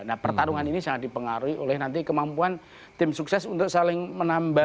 nah pertarungan ini sangat dipengaruhi oleh nanti kemampuan tim sukses untuk saling menambah